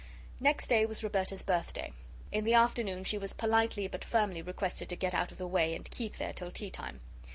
Next day was Roberta's birthday. In the afternoon she was politely but firmly requested to get out of the way and keep there till tea time.